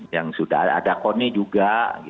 yang sudah ada koni juga